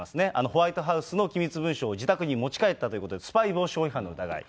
ホワイトハウスの機密文書を自宅に持ち帰ったということで、スパイ防止法違反の疑い。